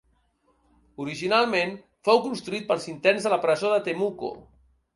Originalment, fou construït pels interns de la presó de Temuco.